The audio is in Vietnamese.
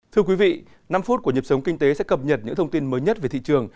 thưa quý vị năm phút của nhập sống kinh tế sẽ cập nhật những thông tin mới nhất về thị trường